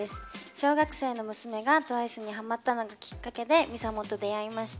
小学生の娘がＴＷＩＣＥにハマったのがきっかけでＭＩＳＡＭＯと出会いました。